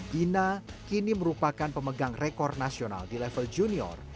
gina kini merupakan pemegang rekor nasional di level junior